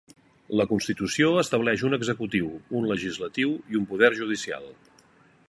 La Constitució estableix un Executiu, un legislatiu i un poder judicial.